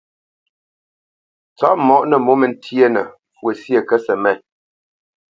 Tsopmǒ nǝ mǒmǝ ntyénǝ́ fwo syé kǝtʼsǝmét.